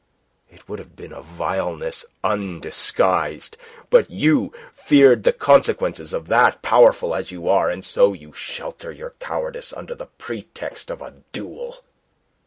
It would have been a vileness undisguised. But you feared the consequences of that, powerful as you are; and so you shelter your cowardice under the pretext of a duel."